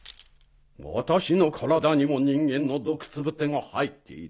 私の体にも人間の毒ツブテが入っている。